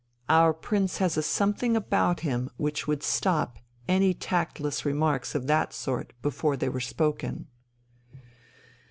Our Prince has a something about him which would stop any tactless remarks of that sort before they were spoken